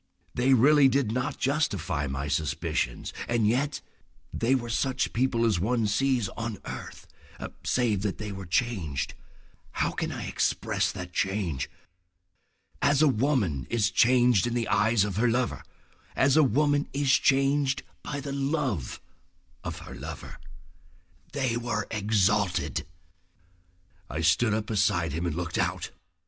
They really did not justify my suspicions, and yet—! They were such people as one sees on earth—save that they were changed. How can I express that change? As a woman is changed in the eyes of her lover, as a woman is changed by the love of a lover. They were exalted. ... I stood up beside him and looked out.